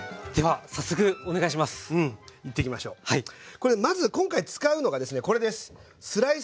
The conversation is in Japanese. これまず今回使うのがですねこれです。